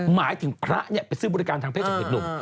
หมายถึงพระไปซื้อบริการทางเพศจากเพจหนุ่ม